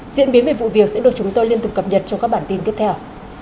diễn biến về vụ việc sẽ được chúng tôi liên tục cập nhật trong các bản tin tiếp theo